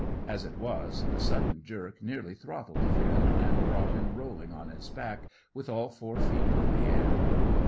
As it was, the sudden jerk nearly throttled Finn, and brought him rolling on his back with all four feet in the air.